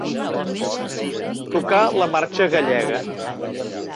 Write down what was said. Tocar la marxa gallega.